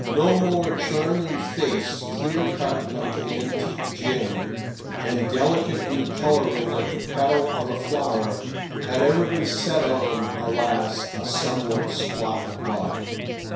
No more charming face, clear cut like an antique gem, and delicate in colouring like the petal of a flower, had ever been set on, alas! a somewhat squat body.